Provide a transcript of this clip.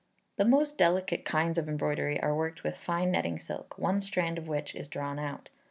The most delicate kinds of embroidery are worked with fine netting silk, one strand of which is drawn out.